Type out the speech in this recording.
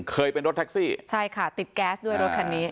เคยเป็นรถแท็กซี่ใช่ค่ะติดแก๊สด้วยรถคันนี้